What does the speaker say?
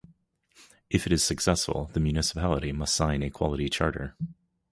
If it is successful, the municipality must sign a quality charter.